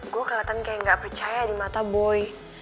gua keliatan kayak gak percaya di mata boy